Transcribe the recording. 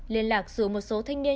liên lạc dù một số thanh niên